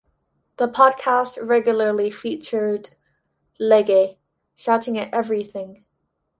The podcast regularly featured Legge shouting at everything.